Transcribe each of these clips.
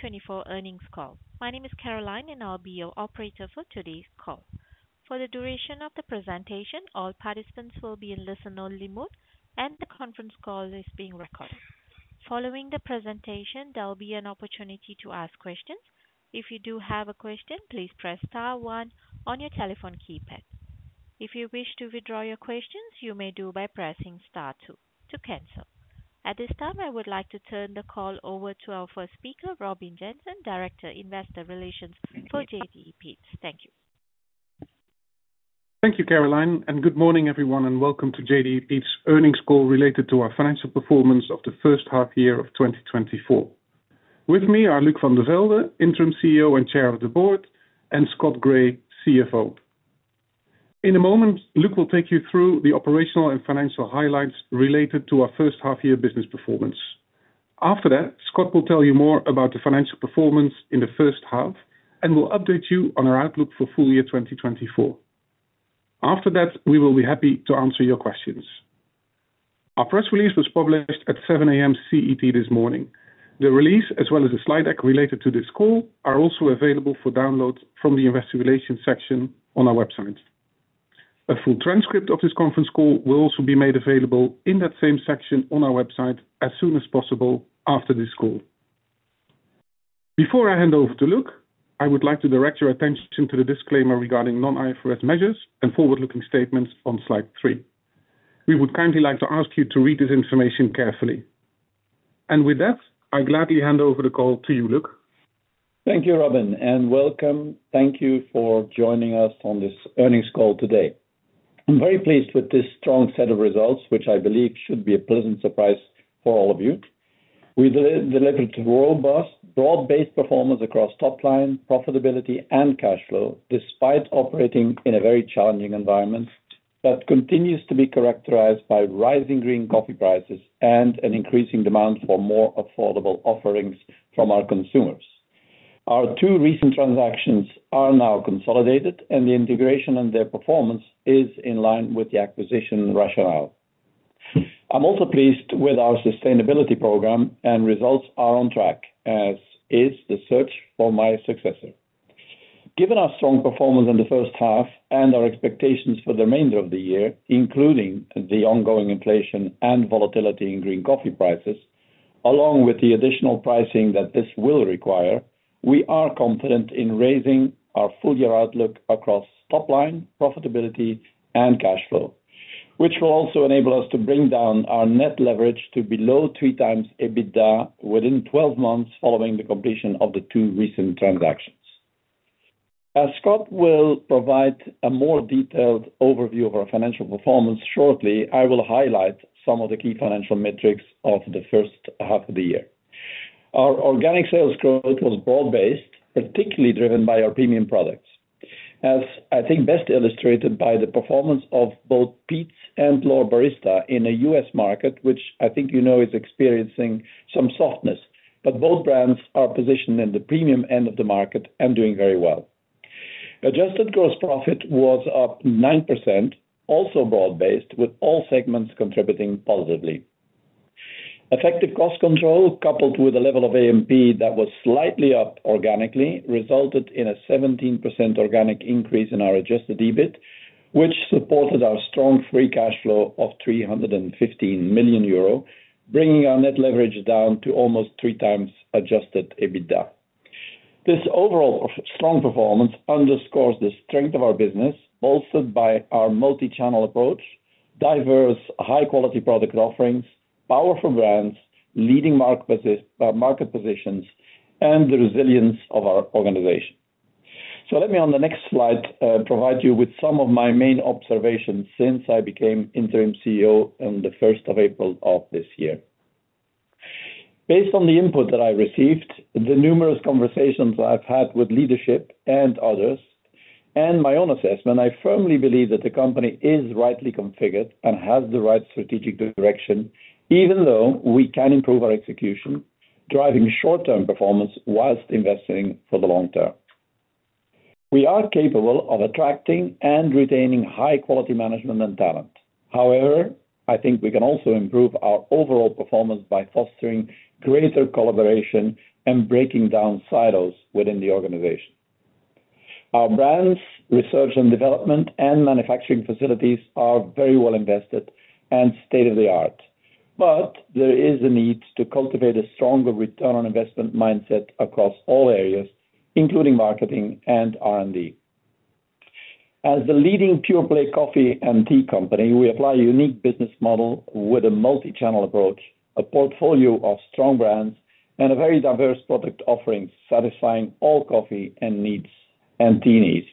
2024 earnings call. My name is Caroline, and I'll be your operator for today's call. For the duration of the presentation, all participants will be in listen-only mode, and the conference call is being recorded. Following the presentation, there'll be an opportunity to ask questions. If you do have a question, please press star one on your telephone keypad. If you wish to withdraw your questions, you may do by pressing star two to cancel. At this time, I would like to turn the call over to our first speaker, Robin Jansen, Director, Investor Relations for JDE Peet's. Thank you. Thank you, Caroline, and good morning, everyone, and welcome to JDE Peet's earnings call related to our financial performance of the first half year of 2024. With me are Luc Vandevelde, Interim CEO and Chair of the Board, and Scott Gray, CFO. In a moment, Luc will take you through the operational and financial highlights related to our first half year business performance. After that, Scott will tell you more about the financial performance in the first half and will update you on our outlook for full year 2024. After that, we will be happy to answer your questions. Our press release was published at 7:00 A.M. CET this morning. The release, as well as the slide deck related to this call, are also available for download from the Investor Relations section on our website. A full transcript of this conference call will also be made available in that same section on our website as soon as possible after this call. Before I hand over to Luc, I would like to direct your attention to the disclaimer regarding non-IFRS measures and forward-looking statements on slide 3. We would kindly like to ask you to read this information carefully. With that, I gladly hand over the call to you, Luc. Thank you, Robin, and welcome. Thank you for joining us on this earnings call today. I'm very pleased with this strong set of results, which I believe should be a pleasant surprise for all of you. We delivered robust, broad-based performance across top line, profitability, and cash flow, despite operating in a very challenging environment that continues to be characterized by rising green coffee prices and an increasing demand for more affordable offerings from our consumers. Our two recent transactions are now consolidated, and the integration and their performance is in line with the acquisition rationale. I'm also pleased with our sustainability program, and results are on track, as is the search for my successor. Given our strong performance in the first half and our expectations for the remainder of the year, including the ongoing inflation and volatility in green coffee prices, along with the additional pricing that this will require, we are confident in raising our full year outlook across top line, profitability, and cash flow, which will also enable us to bring down our net leverage to below three times EBITDA within 12 months following the completion of the two recent transactions. As Scott will provide a more detailed overview of our financial performance shortly, I will highlight some of the key financial metrics of the first half of the year. Our organic sales growth was broad-based, particularly driven by our premium products, as I think best illustrated by the performance of both Peet's and L'OR Barista in a U.S. market, which I think you know is experiencing some softness, but both brands are positioned in the premium end of the market and doing very well. Adjusted gross profit was up 9%, also broad-based, with all segments contributing positively. Effective cost control, coupled with a level of A&P that was slightly up organically, resulted in a 17% organic increase in our adjusted EBIT, which supported our strong free cash flow of €315 million, bringing our net leverage down to almost three times adjusted EBITDA. This overall strong performance underscores the strength of our business, bolstered by our multi-channel approach, diverse high-quality product offerings, powerful brands, leading market positions, and the resilience of our organization. Let me, on the next slide, provide you with some of my main observations since I became Interim CEO on the 1st of April of this year. Based on the input that I received, the numerous conversations I've had with leadership and others, and my own assessment, I firmly believe that the company is rightly configured and has the right strategic direction, even though we can improve our execution, driving short-term performance whilst investing for the long term. We are capable of attracting and retaining high-quality management and talent. However, I think we can also improve our overall performance by fostering greater collaboration and breaking down silos within the organization. Our brands, research and development, and manufacturing facilities are very well invested and state-of-the-art, but there is a need to cultivate a stronger return on investment mindset across all areas, including marketing and R&D. As the leading pure play coffee and tea company, we apply a unique business model with a multi-channel approach, a portfolio of strong brands, and a very diverse product offering satisfying all coffee and tea needs.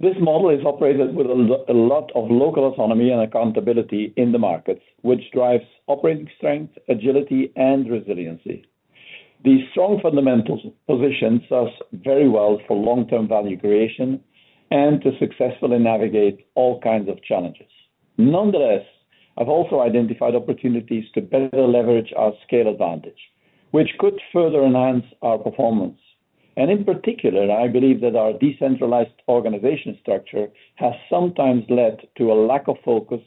This model is operated with a lot of local autonomy and accountability in the markets, which drives operating strength, agility, and resiliency. These strong fundamentals position us very well for long-term value creation and to successfully navigate all kinds of challenges. Nonetheless, I've also identified opportunities to better leverage our scale advantage, which could further enhance our performance. In particular, I believe that our decentralized organization structure has sometimes led to a lack of focus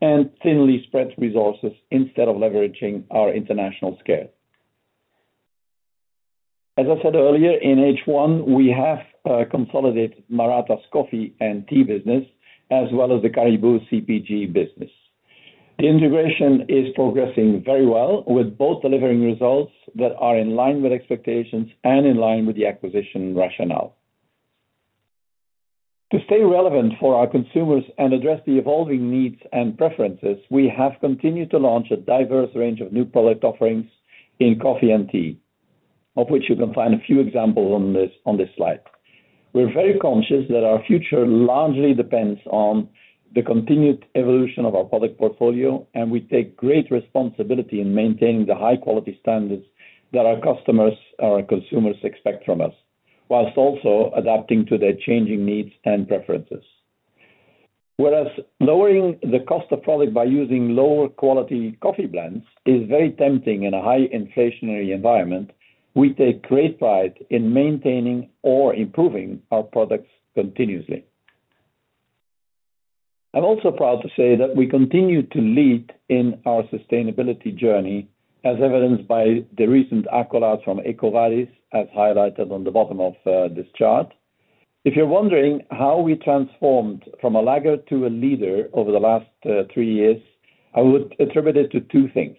and thinly spread resources instead of leveraging our international scale. As I said earlier, in H1, we have consolidated Maratá's coffee and tea business, as well as the Caribou CPG business. The integration is progressing very well, with both delivering results that are in line with expectations and in line with the acquisition rationale. To stay relevant for our consumers and address the evolving needs and preferences, we have continued to launch a diverse range of new product offerings in coffee and tea, of which you can find a few examples on this slide. We're very conscious that our future largely depends on the continued evolution of our product portfolio, and we take great responsibility in maintaining the high-quality standards that our customers and our consumers expect from us, whilst also adapting to their changing needs and preferences. Whereas lowering the cost of product by using lower quality coffee blends is very tempting in a high inflationary environment, we take great pride in maintaining or improving our products continuously. I'm also proud to say that we continue to lead in our sustainability journey, as evidenced by the recent accolades from EcoVadis, as highlighted on the bottom of this chart. If you're wondering how we transformed from a laggard to a leader over the last three years, I would attribute it to two things.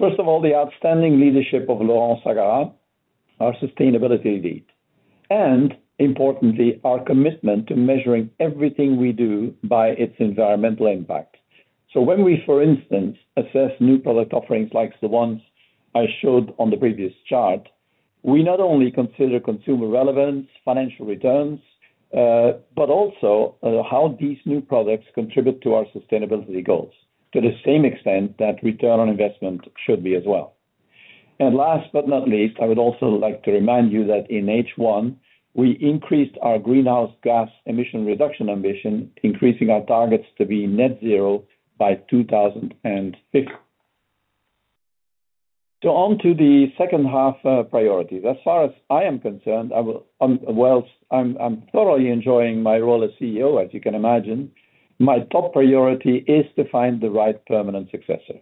First of all, the outstanding leadership of Laurent Sagarra, our sustainability lead, and importantly, our commitment to measuring everything we do by its environmental impact. When we, for instance, assess new product offerings like the ones I showed on the previous chart, we not only consider consumer relevance, financial returns, but also how these new products contribute to our sustainability goals, to the same extent that return on investment should be as well. And last but not least, I would also like to remind you that in H1, we increased our greenhouse gas emission reduction ambition, increasing our targets to be net zero by 2050. On to the second half priorities. As far as I am concerned, I'm thoroughly enjoying my role as CEO, as you can imagine. My top priority is to find the right permanent successor.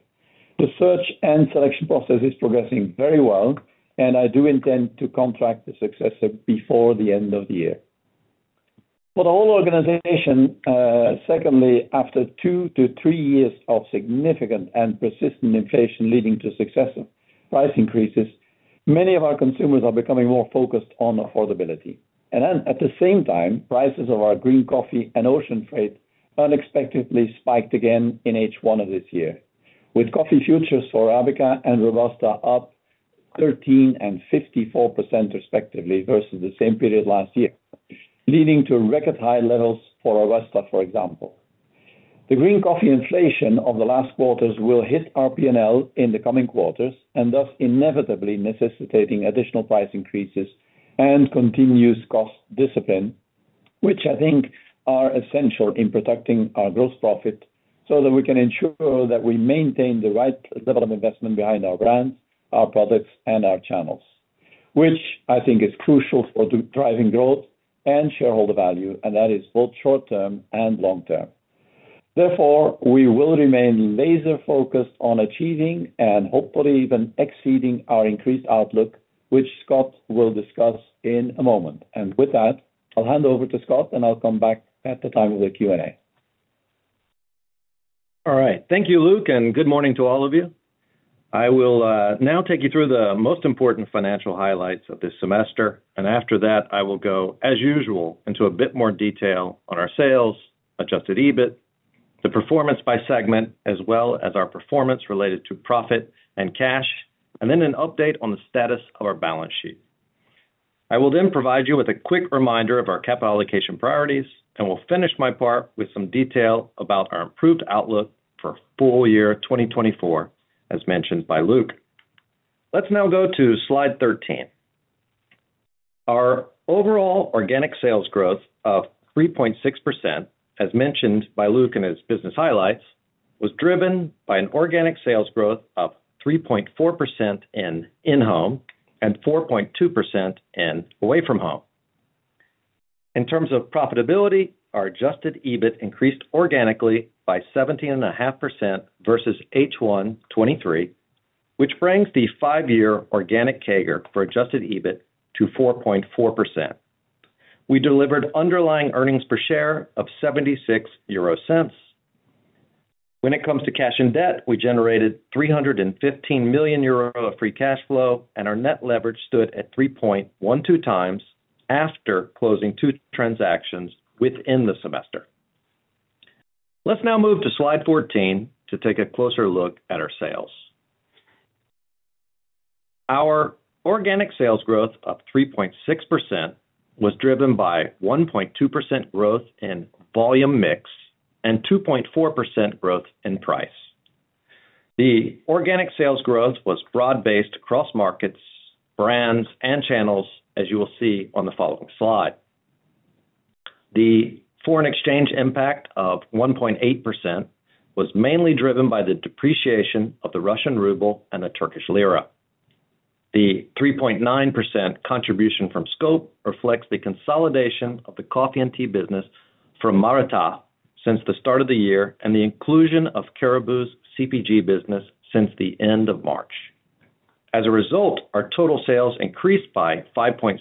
The search and selection process is progressing very well, and I do intend to contract the successor before the end of the year. For the whole organization, secondly, after 2-3 years of significant and persistent inflation leading to successive price increases, many of our consumers are becoming more focused on affordability. And at the same time, prices of our green coffee and ocean freight unexpectedly spiked again in H1 of this year, with coffee futures for Arabica and Robusta up 13% and 54% respectively versus the same period last year, leading to record high levels for Robusta, for example. The green coffee inflation of the last quarters will hit our P&L in the coming quarters, and thus inevitably necessitating additional price increases and continuous cost discipline, which I think are essential in protecting our gross profit so that we can ensure that we maintain the right level of investment behind our brands, our products, and our channels, which I think is crucial for driving growth and shareholder value, and that is both short term and long term. Therefore, we will remain laser focused on achieving and hopefully even exceeding our increased outlook, which Scott will discuss in a moment. With that, I'll hand over to Scott, and I'll come back at the time of the Q&A. All right. Thank you, Luc, and good morning to all of you. I will now take you through the most important financial highlights of this semester, and after that, I will go, as usual, into a bit more detail on our sales, adjusted EBIT, the performance by segment, as well as our performance related to profit and cash, and then an update on the status of our balance sheet. I will then provide you with a quick reminder of our capital allocation priorities, and we'll finish my part with some detail about our improved outlook for full year 2024, as mentioned by Luc. Let's now go to slide 13. Our overall organic sales growth of 3.6%, as mentioned by Luc in his business highlights, was driven by an organic sales growth of 3.4% in-home and 4.2% in away from home. In terms of profitability, our adjusted EBIT increased organically by 17.5% versus H1 2023, which brings the five-year organic CAGR for adjusted EBIT to 4.4%. We delivered underlying earnings per share of €0.76. When it comes to cash and debt, we generated 315 million euro of free cash flow, and our net leverage stood at 3.12x after closing two transactions within the semester. Let's now move to slide 14 to take a closer look at our sales. Our organic sales growth of 3.6% was driven by 1.2% growth in volume mix and 2.4% growth in price. The organic sales growth was broad-based across markets, brands, and channels, as you will see on the following slide. The foreign exchange impact of 1.8% was mainly driven by the depreciation of the Russian ruble and the Turkish lira. The 3.9% contribution from scope reflects the consolidation of the coffee and tea business from Maratá since the start of the year and the inclusion of Caribou's CPG business since the end of March. As a result, our total sales increased by 5.6%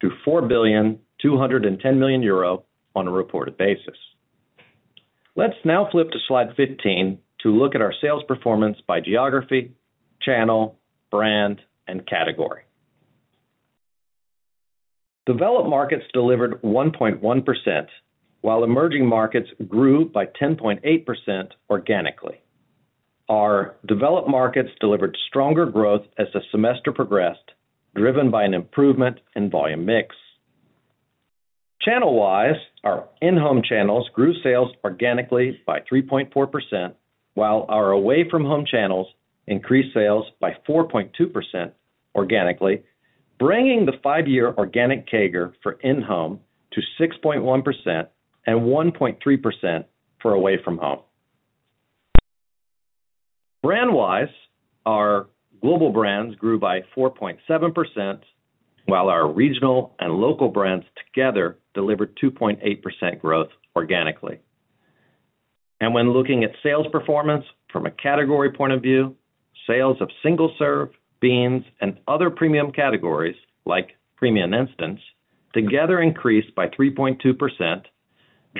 to €4.210 million on a reported basis. Let's now flip to slide 15 to look at our sales performance by geography, channel, brand, and category. Developed Markets delivered 1.1%, while Emerging Markets grew by 10.8% organically. Our Developed Markets delivered stronger growth as the semester progressed, driven by an improvement in volume mix. Channel-wise, our in-home channels grew sales organically by 3.4%, while our away-from-home channels increased sales by 4.2% organically, bringing the five-year organic CAGR for in-home to 6.1% and 1.3% for away-from-home. Brand-wise, our global brands grew by 4.7%, while our regional and local brands together delivered 2.8% growth organically. When looking at sales performance from a category point of view, sales of single serve, beans, and other premium categories like premium instant together increased by 3.2%,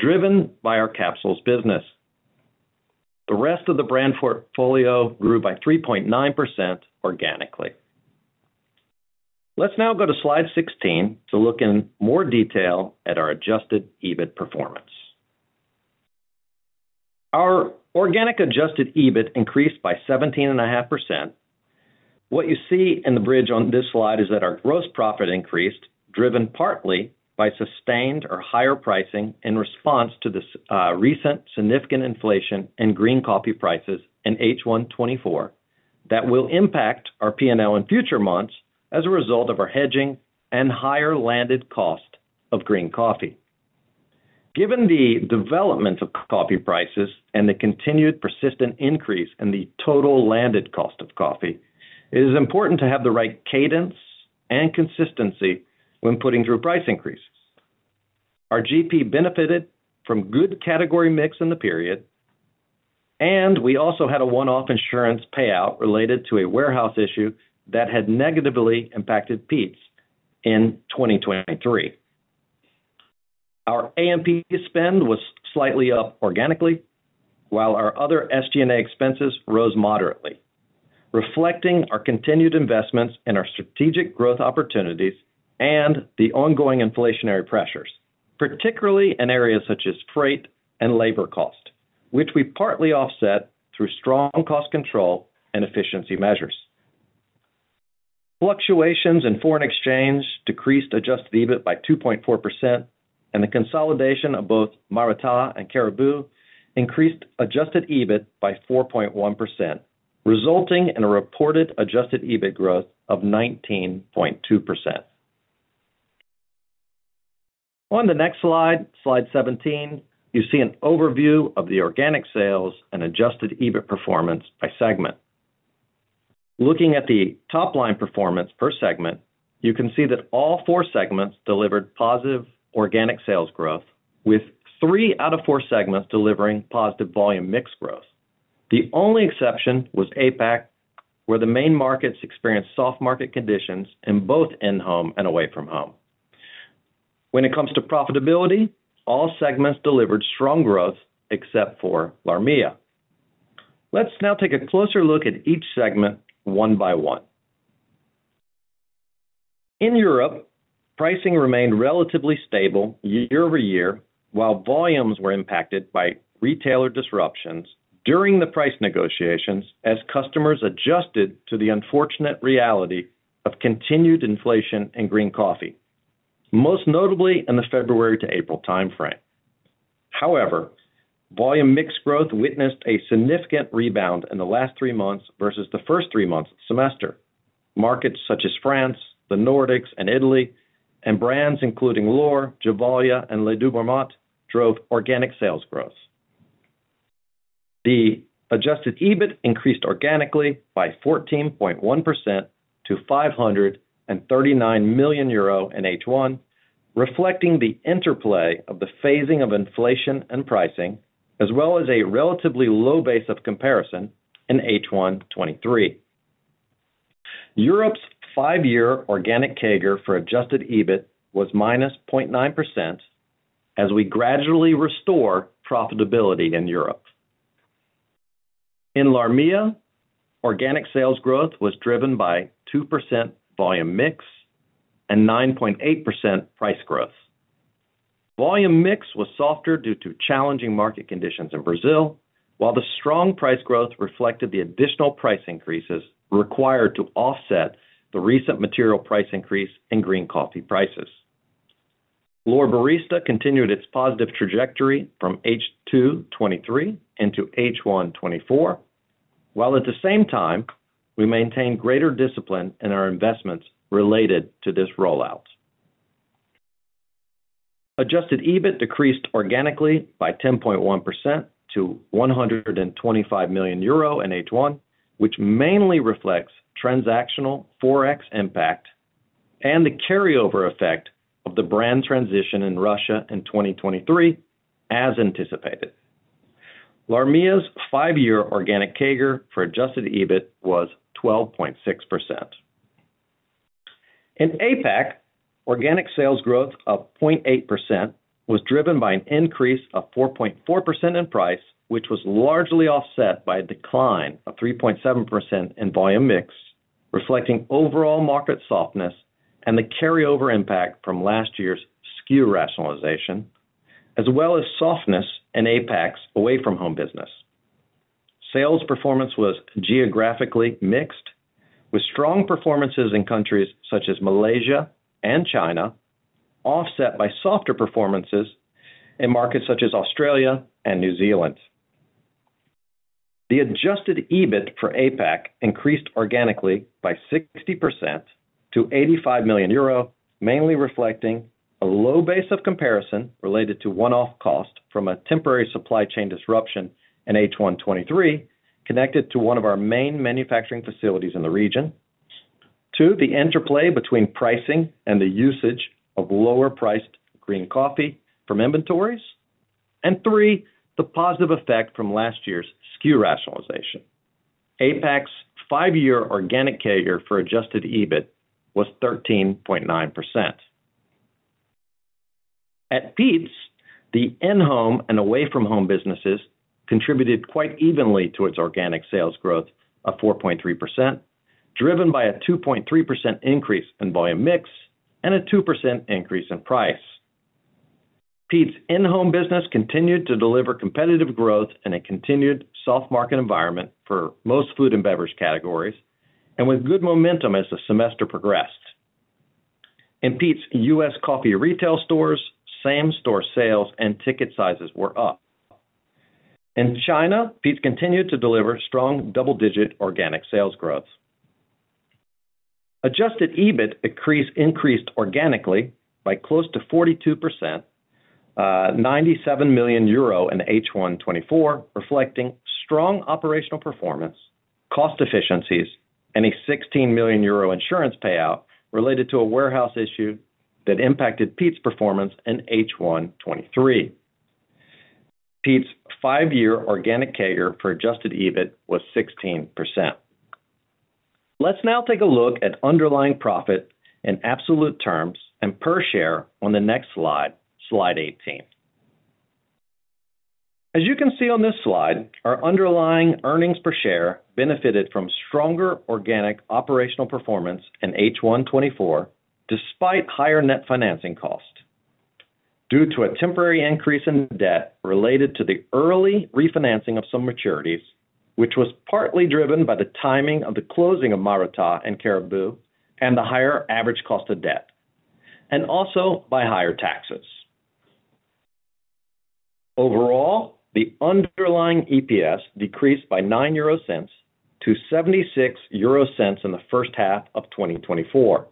driven by our capsules business. The rest of the brand portfolio grew by 3.9% organically. Let's now go to slide 16 to look in more detail at our adjusted EBIT performance. Our organic adjusted EBIT increased by 17.5%. What you see in the bridge on this slide is that our gross profit increased, driven partly by sustained or higher pricing in response to the recent significant inflation in green coffee prices in H1 2024 that will impact our P&L in future months as a result of our hedging and higher landed cost of green coffee. Given the development of coffee prices and the continued persistent increase in the total landed cost of coffee, it is important to have the right cadence and consistency when putting through price increases. Our GP benefited from good category mix in the period, and we also had a one-off insurance payout related to a warehouse issue that had negatively impacted Peet's in 2023. Our A&P spend was slightly up organically, while our other SG&A expenses rose moderately, reflecting our continued investments in our strategic growth opportunities and the ongoing inflationary pressures, particularly in areas such as freight and labor cost, which we partly offset through strong cost control and efficiency measures. Fluctuations in foreign exchange decreased adjusted EBIT by 2.4%, and the consolidation of both Maratá and Caribou increased adjusted EBIT by 4.1%, resulting in a reported adjusted EBIT growth of 19.2%. On the next slide, slide 17, you see an overview of the organic sales and adjusted EBIT performance by segment. Looking at the top line performance per segment, you can see that all four segments delivered positive organic sales growth, with three out of four segments delivering positive volume mix growth. The only exception was APAC, where the main markets experienced soft market conditions in both in-home and away from home. When it comes to profitability, all segments delivered strong growth except for LARMEA. Let's now take a closer look at each segment one by one. In Europe, pricing remained relatively stable year-over-year, while volumes were impacted by retailer disruptions during the price negotiations as customers adjusted to the unfortunate reality of continued inflation in green coffee, most notably in the February to April timeframe. However, volume mix growth witnessed a significant rebound in the last three months versus the first three months of the semester. Markets such as France, the Nordics, and Italy, and brands including L'OR, Gevalia, and Les 2 Marmottes drove organic sales growth. The adjusted EBIT increased organically by 14.1% to €539 million in H1 2023, reflecting the interplay of the phasing of inflation and pricing, as well as a relatively low base of comparison in H1 2023. Europe's five-year organic CAGR for adjusted EBIT was -0.9% as we gradually restore profitability in Europe. In LARMEA, organic sales growth was driven by 2% volume mix and 9.8% price growth. Volume mix was softer due to challenging market conditions in Brazil, while the strong price growth reflected the additional price increases required to offset the recent material price increase in green coffee prices. L'OR Barista continued its positive trajectory from H2 2023 into H1 2024, while at the same time, we maintained greater discipline in our investments related to this rollout. Adjusted EBIT decreased organically by 10.1% to €125 million in H1, which mainly reflects transactional forex impact and the carryover effect of the brand transition in Russia in 2023, as anticipated. LARMEA's five-year organic CAGR for adjusted EBIT was 12.6%. In APAC, organic sales growth of 0.8% was driven by an increase of 4.4% in price, which was largely offset by a decline of 3.7% in volume mix, reflecting overall market softness and the carryover impact from last year's SKU rationalization, as well as softness in APAC's away from home business. Sales performance was geographically mixed, with strong performances in countries such as Malaysia and China, offset by softer performances in markets such as Australia and New Zealand. The adjusted EBIT for APAC increased organically by 60% to 85 million euro, mainly reflecting a low base of comparison related to one-off cost from a temporary supply chain disruption in H1 2023 connected to one of our main manufacturing facilities in the region. Two, the interplay between pricing and the usage of lower-priced green coffee from inventories. And three, the positive effect from last year's SKU rationalization. APAC's five-year organic CAGR for adjusted EBIT was 13.9%. At Peet's, the in-home and away from home businesses contributed quite evenly to its organic sales growth of 4.3%, driven by a 2.3% increase in volume mix and a 2% increase in price. Peet's in-home business continued to deliver competitive growth in a continued soft market environment for most food and beverage categories and with good momentum as the semester progressed. In Peet's US coffee retail stores, same store sales and ticket sizes were up. In China, Peet's continued to deliver strong double-digit organic sales growth. Adjusted EBIT increased organically by close to 42%, 97 million euro in H1 2024, reflecting strong operational performance, cost efficiencies, and a 16 million euro insurance payout related to a warehouse issue that impacted Peet's performance in H1 2023. Peet's five-year organic CAGR for adjusted EBIT was 16%. Let's now take a look at underlying profit in absolute terms and per share on the next slide, slide 18. As you can see on this slide, our underlying earnings per share benefited from stronger organic operational performance in H1 2024 despite higher net financing cost due to a temporary increase in debt related to the early refinancing of some maturities, which was partly driven by the timing of the closing of Maratá and Caribou and the higher average cost of debt, and also by higher taxes. Overall, the underlying EPS decreased by €0.09 to €0.76 in the first half of 2024,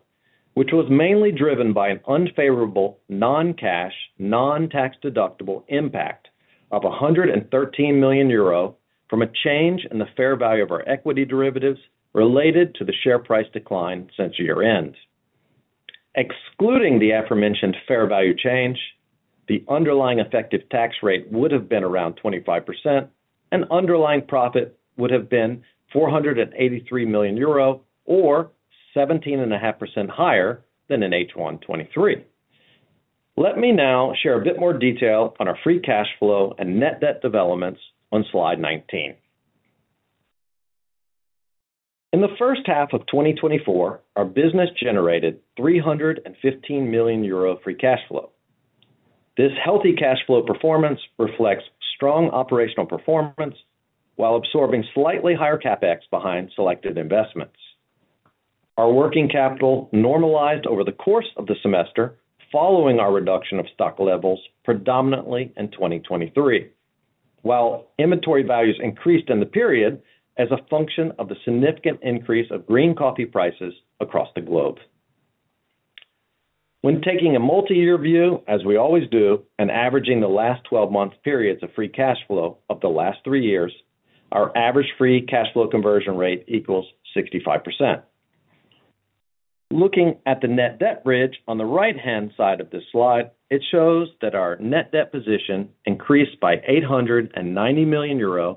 which was mainly driven by an unfavorable non-cash, non-tax deductible impact of €113 million from a change in the fair value of our equity derivatives related to the share price decline since year-end. Excluding the aforementioned fair value change, the underlying effective tax rate would have been around 25%, and underlying profit would have been €483 million or 17.5% higher than in H1 2023. Let me now share a bit more detail on our free cash flow and net debt developments on slide 19. In the first half of 2024, our business generated €315 million free cash flow. This healthy cash flow performance reflects strong operational performance while absorbing slightly higher CapEx behind selected investments. Our working capital normalized over the course of the semester following our reduction of stock levels predominantly in 2023, while inventory values increased in the period as a function of the significant increase of green coffee prices across the globe. When taking a multi-year view, as we always do, and averaging the last 12 months' periods of free cash flow of the last three years, our average free cash flow conversion rate equals 65%. Looking at the net debt bridge on the right-hand side of this slide, it shows that our net debt position increased by €890 million,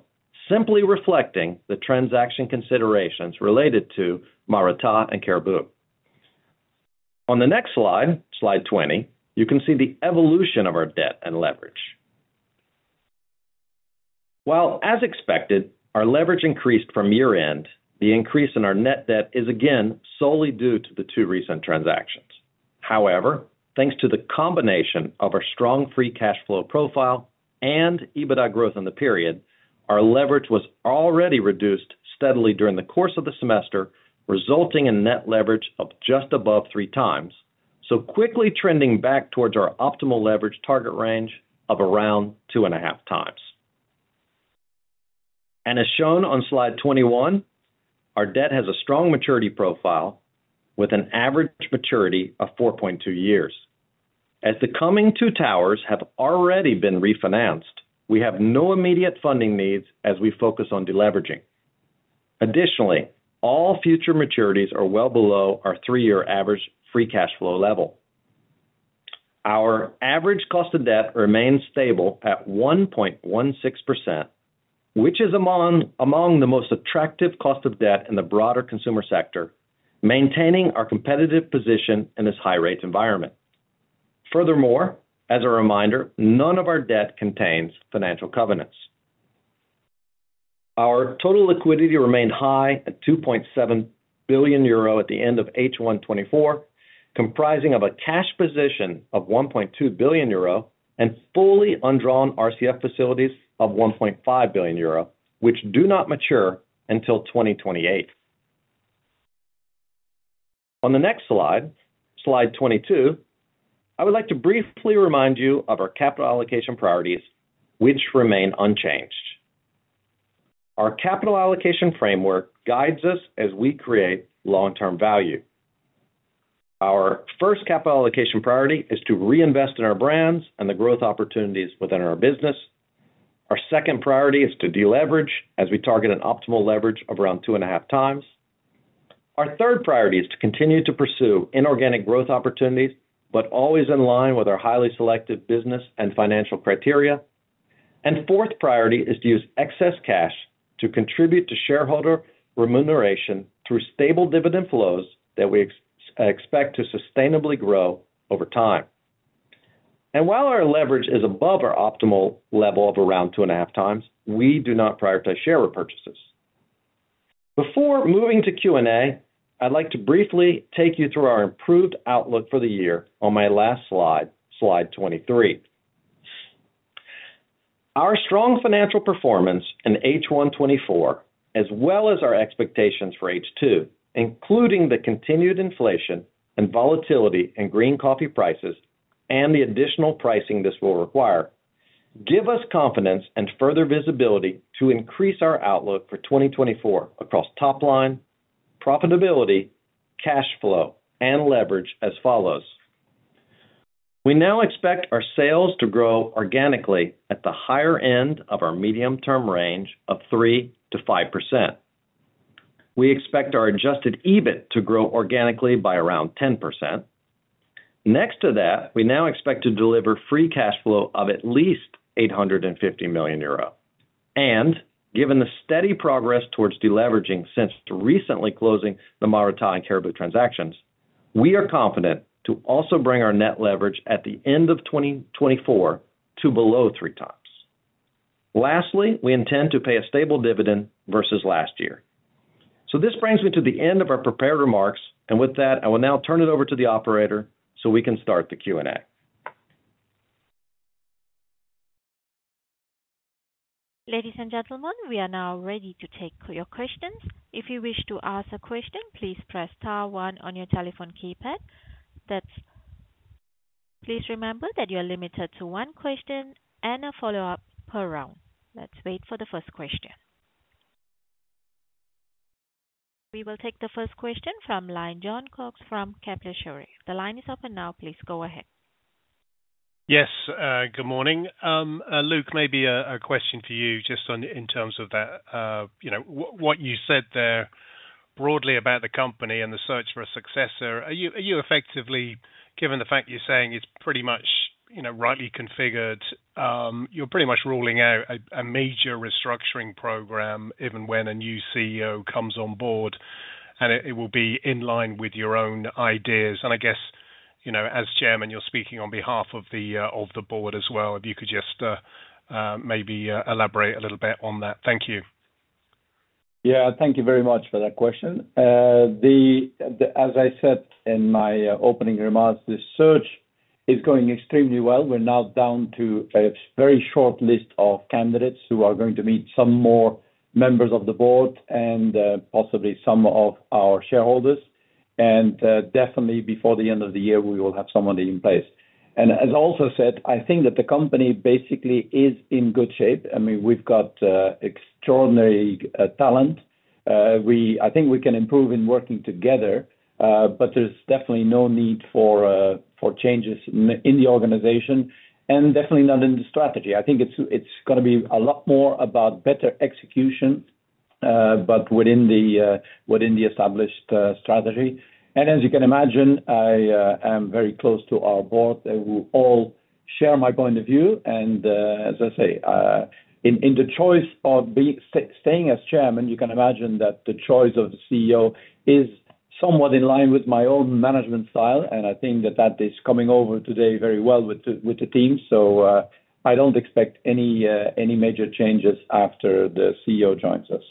simply reflecting the transaction considerations related to Maratá and Caribou. On the next slide, slide 20, you can see the evolution of our debt and leverage. While, as expected, our leverage increased from year-end, the increase in our net debt is again solely due to the two recent transactions. However, thanks to the combination of our strong free cash flow profile and EBITDA growth in the period, our leverage was already reduced steadily during the course of the semester, resulting in net leverage of just above three times, so quickly trending back towards our optimal leverage target range of around 2.5 times. As shown on slide 21, our debt has a strong maturity profile with an average maturity of 4.2 years. As the coming two towers have already been refinanced, we have no immediate funding needs as we focus on deleveraging. Additionally, all future maturities are well below our three-year average free cash flow level. Our average cost of debt remains stable at 1.16%, which is among the most attractive cost of debt in the broader consumer sector, maintaining our competitive position in this high-rate environment. Furthermore, as a reminder, none of our debt contains financial covenants. Our total liquidity remained high at €2.7 billion at the end of H1 2024, comprising of a cash position of €1.2 billion and fully undrawn RCF facilities of €1.5 billion, which do not mature until 2028. On the next slide, slide 22, I would like to briefly remind you of our capital allocation priorities, which remain unchanged. Our capital allocation framework guides us as we create long-term value. Our first capital allocation priority is to reinvest in our brands and the growth opportunities within our business. Our second priority is to deleverage as we target an optimal leverage of around 2.5 times. Our third priority is to continue to pursue inorganic growth opportunities, but always in line with our highly selective business and financial criteria. Fourth priority is to use excess cash to contribute to shareholder remuneration through stable dividend flows that we expect to sustainably grow over time. And while our leverage is above our optimal level of around 2.5 times, we do not prioritize share repurchases. Before moving to Q&A, I'd like to briefly take you through our improved outlook for the year on my last slide, slide 23. Our strong financial performance in H1 2024, as well as our expectations for H2, including the continued inflation and volatility in green coffee prices and the additional pricing this will require, give us confidence and further visibility to increase our outlook for 2024 across top line, profitability, cash flow, and leverage as follows. We now expect our sales to grow organically at the higher end of our medium-term range of 3%-5%. We expect our adjusted EBIT to grow organically by around 10%. Next to that, we now expect to deliver free cash flow of at least €850 million. And given the steady progress towards deleveraging since recently closing the Maratá and Caribou transactions, we are confident to also bring our net leverage at the end of 2024 to below three times. Lastly, we intend to pay a stable dividend versus last year. So this brings me to the end of our prepared remarks. With that, I will now turn it over to the operator so we can start the Q&A. Ladies and gentlemen, we are now ready to take your questions. If you wish to ask a question, please press star one on your telephone keypad. Please remember that you are limited to one question and a follow-up per round. Let's wait for the first question. We will take the first question from line Jon Cox from Kepler Cheuvreux. The line is open now. Please go ahead. Yes, good morning. Luc, maybe a question for you just in terms of that, what you said there broadly about the company and the search for a successor. Are you effectively, given the fact you're saying it's pretty much rightly configured, you're pretty much ruling out a major restructuring program even when a new CEO comes on board, and it will be in line with your own ideas. I guess, as Chairman, you're speaking on behalf of the board as well. If you could just maybe elaborate a little bit on that. Thank you. Yeah, thank you very much for that question. As I said in my opening remarks, the search is going extremely well. We're now down to a very short list of candidates who are going to meet some more members of the board and possibly some of our shareholders. Definitely, before the end of the year, we will have somebody in place. As also said, I think that the company basically is in good shape. I mean, we've got extraordinary talent. I think we can improve in working together, but there's definitely no need for changes in the organization and definitely not in the strategy. I think it's going to be a lot more about better execution, but within the established strategy. As you can imagine, I am very close to our board. I will all share my point of view. As I say, in the choice of staying as Chairman, you can imagine that the choice of the CEO is somewhat in line with my own management style. I think that that is coming over today very well with the team. I don't expect any major changes after the CEO joins us.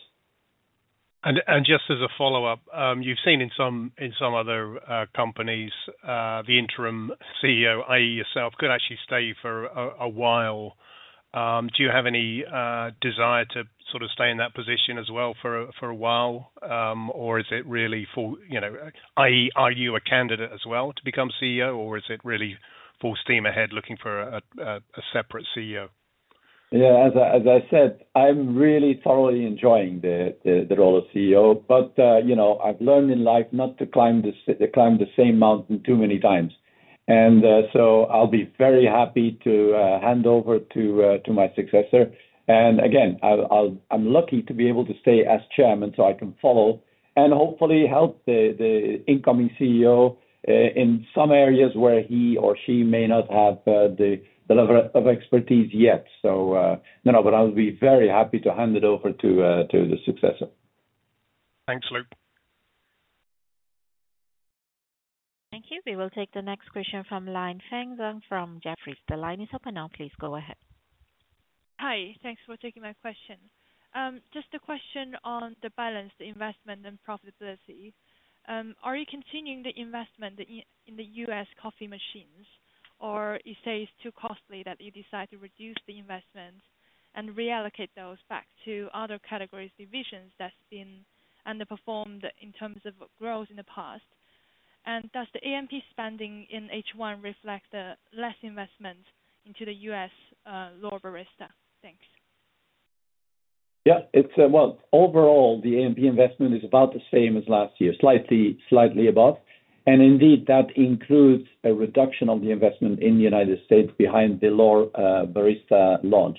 Just as a follow-up, you've seen in some other companies, the interim CEO, i.e., yourself, could actually stay for a while. Do you have any desire to sort of stay in that position as well for a while, or is it really for, i.e., are you a candidate as well to become CEO, or is it really full steam ahead looking for a separate CEO? Yeah, as I said, I'm really thoroughly enjoying the role of CEO, but I've learned in life not to climb the same mountain too many times. I'll be very happy to hand over to my successor. Again, I'm lucky to be able to stay as Chairman so I can follow and hopefully help the incoming CEO in some areas where he or she may not have the level of expertise yet. No, but I'll be very happy to hand it over to the successor. Thanks, Luc. Thank you. We will take the next question from line Feng Zhang from Jefferies. The line is open now. Please go ahead. Hi, thanks for taking my question. Just a question on the balance, the investment and profitability. Are you continuing the investment in the U.S. coffee machines, or you say it's too costly that you decide to reduce the investment and reallocate those back to other categories' divisions that's been underperformed in terms of growth in the past? Does the A&P spending in H1 reflect the less investment into the US L'OR Barista? Thanks. Yeah, well, overall, the A&P investment is about the same as last year, slightly above. Indeed, that includes a reduction of the investment in the United States behind the L'OR Barista launch.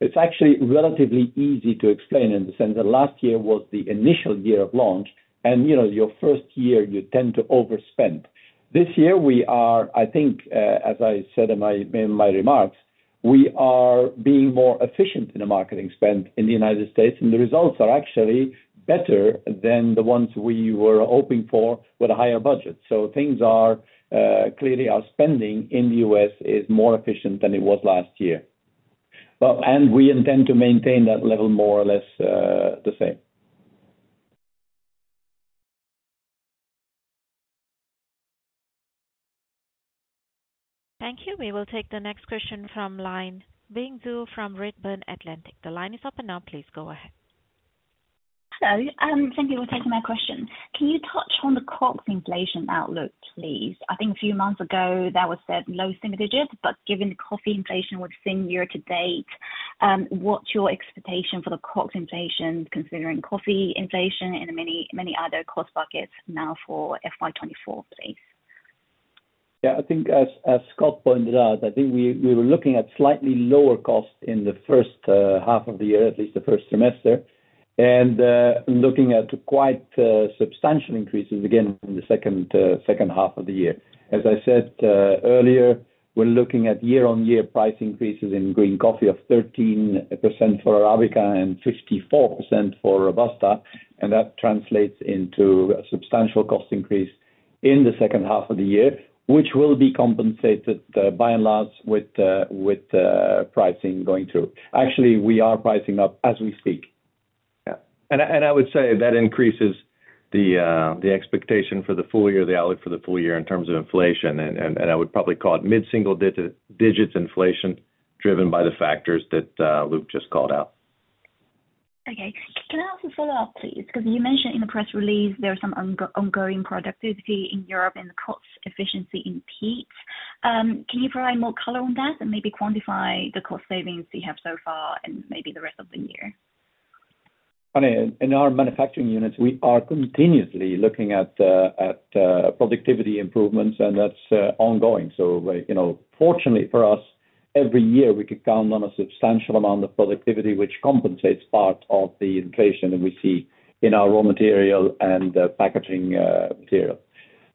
It's actually relatively easy to explain in the sense that last year was the initial year of launch. Your first year, you tend to overspend. This year, we are, I think, as I said in my remarks, we are being more efficient in the marketing spend in the United States. The results are actually better than the ones we were hoping for with a higher budget. Things are clearly our spending in the US is more efficient than it was last year. We intend to maintain that level more or less the same. Thank you. We will take the next question from line Bing Zhu from Redburn Atlantic. The line is open now. Please go ahead. Hello. Thank you for taking my question. Can you touch on the COGS inflation outlook, please? I think a few months ago, that was said low single digits, but given the coffee inflation within year to date, what's your expectation for the COGS inflation considering coffee inflation and many, many other cost buckets now for FY 2024, please? Yeah, I think as Scott pointed out, I think we were looking at slightly lower costs in the first half of the year, at least the first semester, and looking at quite substantial increases again in the second half of the year. As I said earlier, we're looking at year-on-year price increases in green coffee of 13% for Arabica and 54% for Robusta. That translates into a substantial cost increase in the second half of the year, which will be compensated by and large with pricing going through. Actually, we are pricing up as we speak. Yeah. I would say that increases the expectation for the full year, the outlook for the full year in terms of inflation. I would probably call it mid-single digits inflation driven by the factors that Luc just called out. Okay. Can I ask a follow-up, please? Because you mentioned in the press release, there's some ongoing productivity in Europe and the cost efficiency in Peet's. Can you provide more color on that and maybe quantify the cost savings you have so far and maybe the rest of the year? In our manufacturing units, we are continuously looking at productivity improvements, and that's ongoing. Fortunately for us, every year, we could count on a substantial amount of productivity, which compensates part of the inflation that we see in our raw material and packaging material.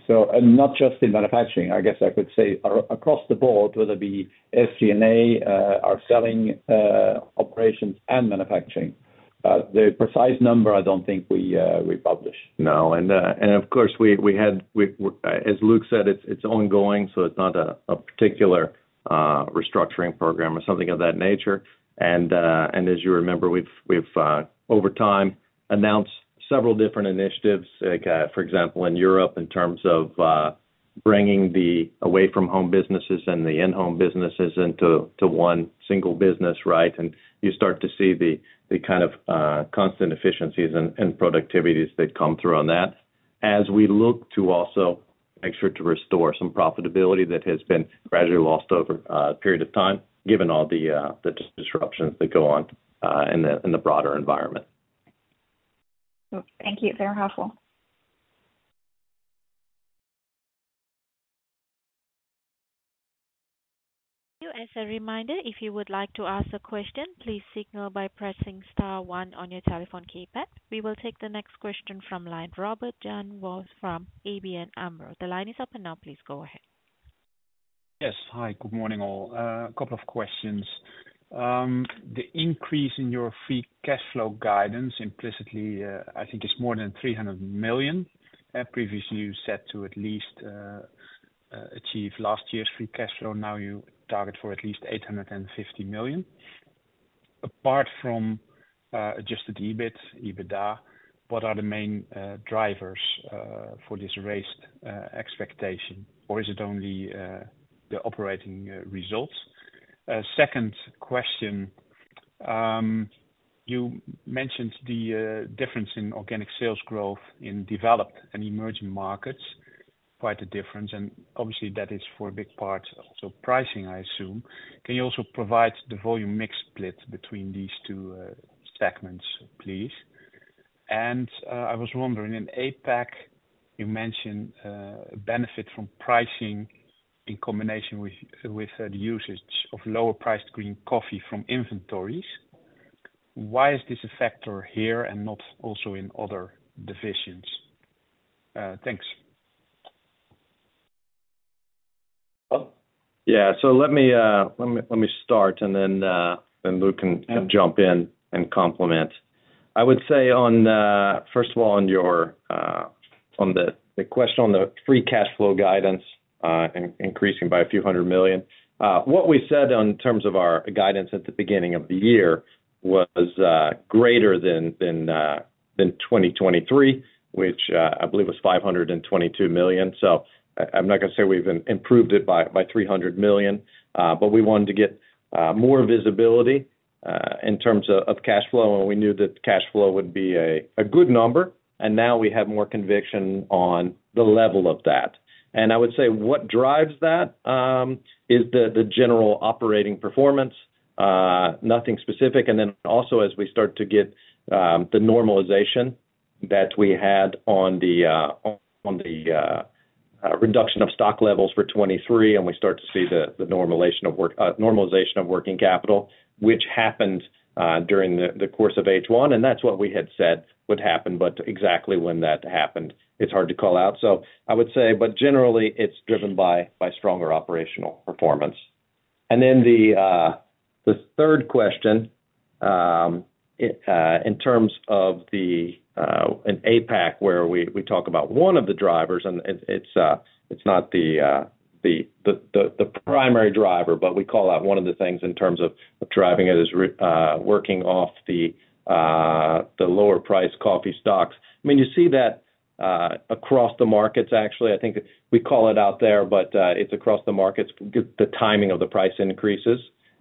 And not just in manufacturing, I guess I could say across the board, whether it be SG&A, our selling operations, and manufacturing. The precise number, I don't think we publish. No. Of course, as Luc said, it's ongoing, so it's not a particular restructuring program or something of that nature. As you remember, we've, over time, announced several different initiatives, for example, in Europe in terms of bringing the Away-from-Home businesses and the In-Home businesses into one single business, right? You start to see the kind of constant efficiencies and productivities that come through on that. As we look to also make sure to restore some profitability that has been gradually lost over a period of time, given all the disruptions that go on in the broader environment. Thank you. Very helpful. As a reminder, if you would like to ask a question, please signal by pressing star one on your telephone keypad. We will take the next question from line Robert Jan Vos from ABN AMRO. The line is open now. Please go ahead. Yes. Hi, good morning all. A couple of questions. The increase in your free cash flow guidance implicitly, I think, is more than €300 million. Previously, you set to at least achieve last year's free cash flow. Now you target for at least €850 million. Apart from adjusted EBIT, EBITDA, what are the main drivers for this raised expectation, or is it only the operating results? Second question, you mentioned the difference in organic sales growth in developed and emerging markets, quite a difference. Obviously, that is for a big part of the pricing, I assume. Can you also provide the volume mix split between these two segments, please? I was wondering, in APAC, you mentioned benefit from pricing in combination with the usage of lower-priced green coffee from inventories. Why is this a factor here and not also in other divisions? Thanks. Yeah. Let me start, and then Luc can jump in and complement. I would say, first of all, on the question on the free cash flow guidance increasing by a few hundred million, what we said in terms of our guidance at the beginning of the year was greater than 2023, which I believe was €522 million. I'm not going to say we've improved it by 300 million, but we wanted to get more visibility in terms of cash flow, and we knew that cash flow would be a good number. Now we have more conviction on the level of that. I would say what drives that is the general operating performance, nothing specific. Then also, as we start to get the normalization that we had on the reduction of stock levels for 2023, and we start to see the normalization of working capital, which happened during the course of H1. That's what we had said would happen. But exactly when that happened, it's hard to call out. I would say, but generally, it's driven by stronger operational performance. Then the third question in terms of an APAC, where we talk about one of the drivers, and it's not the primary driver, but we call out one of the things in terms of driving it is working off the lower-priced coffee stocks. I mean, you see that across the markets, actually. I think we call it out there, but it's across the markets, the timing of the price increases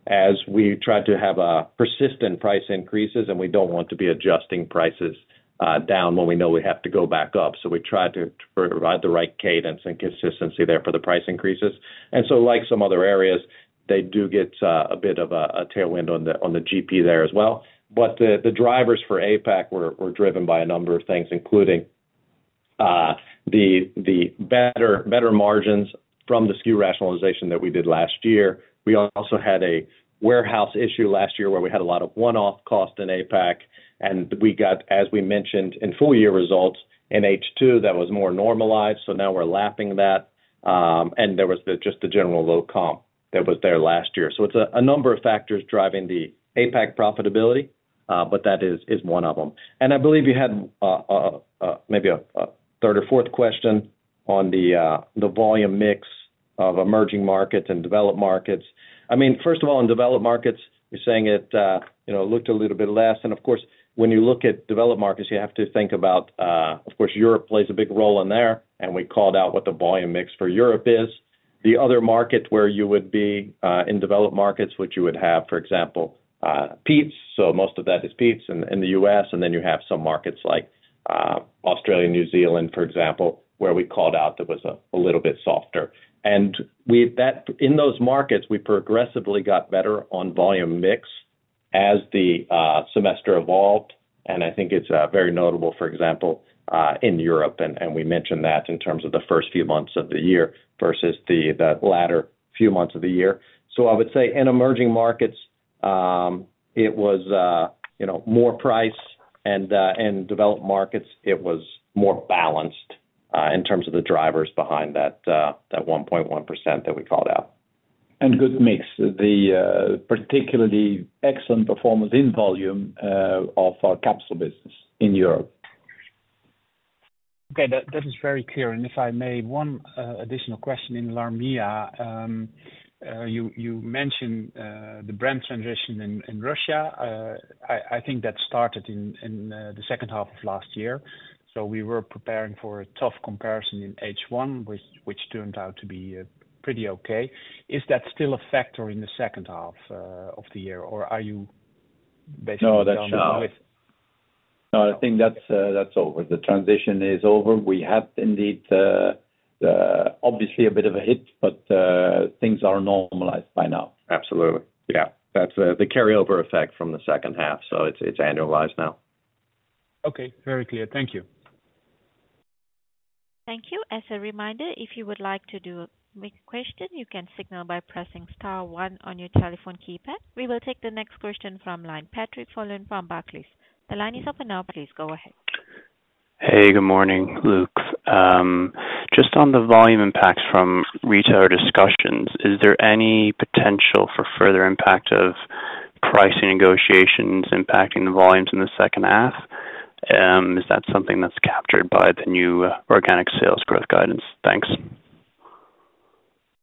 as we try to have persistent price increases. We don't want to be adjusting prices down when we know we have to go back up. We try to provide the right cadence and consistency there for the price increases. Like some other areas, they do get a bit of a tailwind on the GP there as well. But the drivers for APAC were driven by a number of things, including the better margins from the SKU rationalization that we did last year. We also had a warehouse issue last year where we had a lot of one-off cost in APAC, and we got, as we mentioned, in full year results in H2 that was more normalized. Now we're lapping that, and there was just the general low comp that was there last year. It's a number of factors driving the APAC profitability, but that is one of them. I believe you had maybe a third or fourth question on the volume mix of emerging markets and developed markets. I mean, first of all, in developed markets, you're saying it looked a little bit less. Of course, when you look at developed markets, you have to think about, of course, Europe plays a big role in there. We called out what the volume mix for Europe is. The other market where you would be in developed markets, which you would have, for example, Peet's. Most of that is Peet's in the US. And then you have some markets like Australia, New Zealand, for example, where we called out that was a little bit softer. In those markets, we progressively got better on volume mix as the semester evolved. I think it's very notable, for example, in Europe. We mentioned that in terms of the first few months of the year versus the latter few months of the year. I would say in emerging markets, it was more price. In developed markets, it was more balanced in terms of the drivers behind that 1.1% that we called out. Good mix, particularly excellent performance in volume of our capsule business in Europe. Okay. That is very clear. If I may, one additional question in LARMEA. You mentioned the brand transition in Russia. I think that started in the second half of last year. We were preparing for a tough comparison in H1, which turned out to be pretty okay. Is that still a factor in the second half of the year, or are you basically done with? No, that's now. No, I think that's over. The transition is over. We had indeed, obviously, a bit of a hit, but things are normalized by now. Absolutely. Yeah. That's the carryover effect from the second half. It's annualized now. Okay. Very clear. Thank you. Thank you. As a reminder, if you would like to do a quick question, you can signal by pressing star one on your telephone keypad. We will take the next question from line Patrick Folan from Barclays. The line is open now. Please go ahead. Hey, good morning, Luc. Just on the volume impacts from retail discussions, is there any potential for further impact of pricing negotiations impacting the volumes in the second half? Is that something that's captured by the new organic sales growth guidance? Thanks.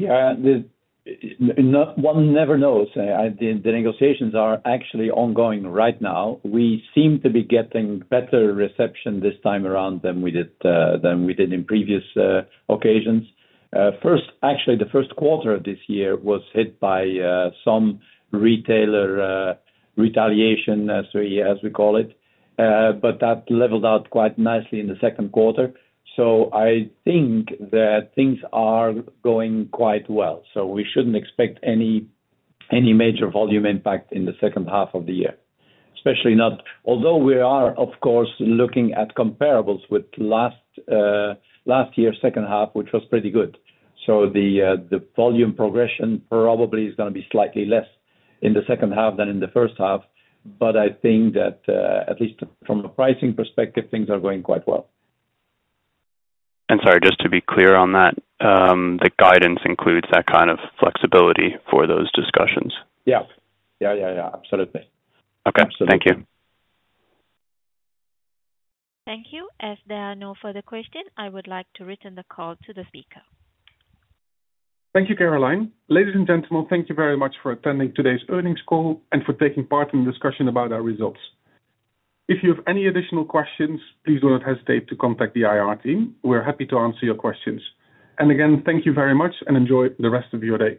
Yeah. One never knows. The negotiations are actually ongoing right now. We seem to be getting better reception this time around than we did in previous occasions. Actually, the first quarter of this year was hit by some retailer retaliation, as we call it. But that leveled out quite nicely in the second quarter. I think that things are going quite well. We shouldn't expect any major volume impact in the second half of the year, especially not-- Although we are, of course, looking at comparables with last year's second half, which was pretty good. The volume progression probably is going to be slightly less in the second half than in the first half. I think that, at least from a pricing perspective, things are going quite well. Sorry, just to be clear on that, the guidance includes that kind of flexibility for those discussions. Yeah. Yeah, yeah, yeah. Absolutely. Absolutely. Okay. Thank you. Thank you. As there are no further questions, I would like to return the call to the speaker. Thank you, Caroline. Ladies and gentlemen, thank you very much for attending today's earnings call and for taking part in the discussion about our results. If you have any additional questions, please do not hesitate to contact the IR team. We're happy to answer your questions. Again, thank you very much and enjoy the rest of your day.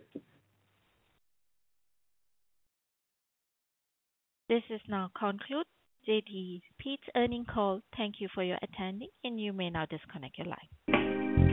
This call is now concluded, JDE Peet's earnings call. Thank you for attending, and you may now disconnect your line.